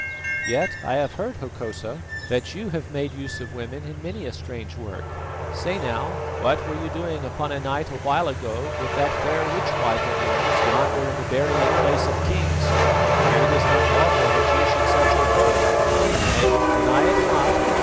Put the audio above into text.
"Yet I have heard, Hokosa, that you have made use of women in many a strange work. Say now, what were you doing upon a night a while ago with that fair witch wife of yours yonder in the burying place of kings, where it is not lawful that you should set your foot? Nay, deny it not.